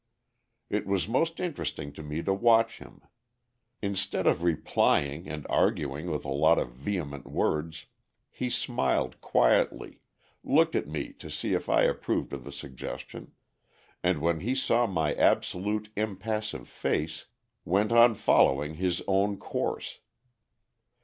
It was most interesting to me to watch him. Instead of replying and arguing with a lot of vehement words, he smiled quietly, looked at me to see if I approved of the suggestion, and when he saw my absolutely impassive face, went on following his own course.